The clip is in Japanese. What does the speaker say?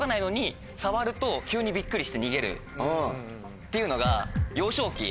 っていうのが。